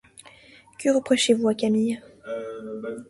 Que reprochez-vous à Camille ?